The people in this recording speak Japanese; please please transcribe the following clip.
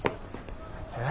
えっ？